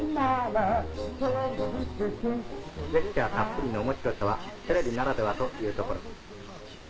ジェスチャーたっぷりのおもしろさは、テレビならではというところです。